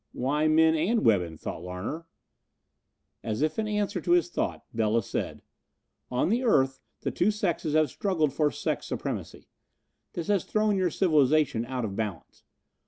"Why men and women?" thought Larner. As if in answer to his thought Bela said: "On the earth the two sexes have struggled for sex supremacy. This has thrown your civilization out of balance.